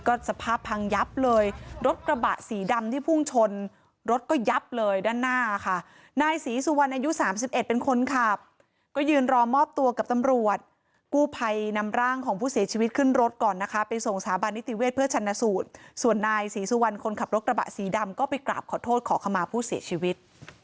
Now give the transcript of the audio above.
ก็สภาพพังยับเลยรถกระบะสีดำที่พุ่งชนรถก็ยับเลยด้านหน้าค่ะนายศรีสุวรรณอายุสามสิบเอ็ดเป็นคนขับก็ยืนรอมอบตัวกับตำรวจกู้ภัยนำร่างของผู้เสียชีวิตขึ้นรถก่อนนะคะไปส่งสถาบันนิติเวชเพื่อชันสูตรส่วนนายศรีสุวรรณคนขับรถกระบะสีดำก็ไปกราบขอโทษขอขมาผู้เสียชีวิต